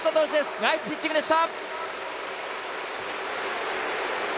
ナイスピッチングでした！